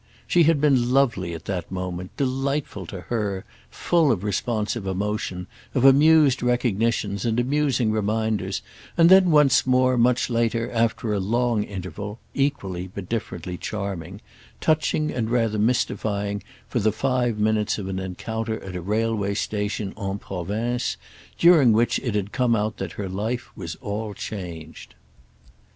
She had been lovely at that moment, delightful to her, full of responsive emotion, of amused recognitions and amusing reminders, and then once more, much later, after a long interval, equally but differently charming—touching and rather mystifying for the five minutes of an encounter at a railway station en province, during which it had come out that her life was all changed.